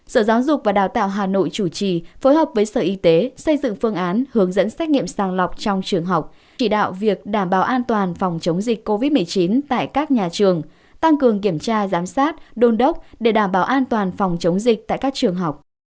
sở giáo dục và đào tạo hà nội chủ trì phối hợp với sở y tế xây dựng phương án hướng dẫn xét nghiệm sàng lọc trong trường học chỉ đạo việc đảm bảo an toàn phòng chống dịch covid một mươi chín tại các nhà trường tăng cường kiểm tra giám sát đôn đốc để đảm bảo an toàn phòng chống dịch tại các trường học